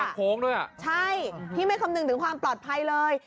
โค้งด้วยอ่ะใช่พี่ไม่คำนึงถึงความปลอดภัยเลย